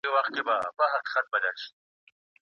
کله چې وینا یوازې لوستل کېږي، اغېز کمېږي.